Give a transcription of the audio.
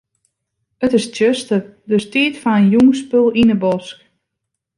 It is tsjuster, dus tiid foar in jûnsspul yn 'e bosk.